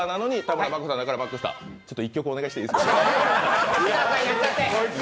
ちょっと１曲お願いしていいですか？